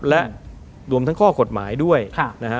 และรวมทั้งข้อกฎหมายด้วยนะฮะ